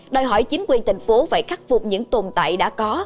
đòi hỏi chính quyền thành phố phải khắc phục những tồn tại đã có